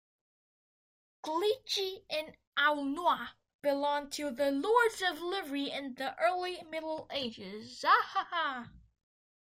Clichy en Aulnois belonged to the lords of Livry in the early Middle Ages.